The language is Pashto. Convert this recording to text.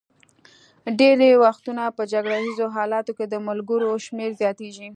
ډېری وختونه په جګړه ایزو حالاتو کې د ملګرو شمېر زیاتېږي.